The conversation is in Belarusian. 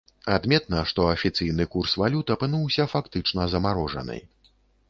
Адметна, што афіцыйны курс валют апынуўся фактычна замарожаны.